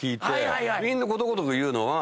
みんなことごとく言うのは。